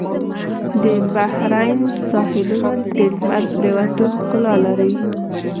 د بحرین ساحلونه د لمر پرېوتو ښکلا لري.